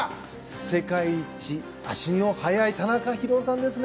世界一足の速い田中博男さんですね。